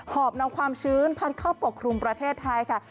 อบนำความชื้นพัดเข้าปกครุมประเทศไทยค่ะ